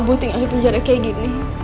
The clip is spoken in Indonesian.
bu tinggal di penjara kayak gini